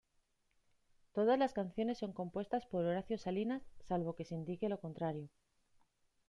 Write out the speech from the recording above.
Todas las canciones son compuestas por Horacio Salinas, salvo que se indique lo contrario.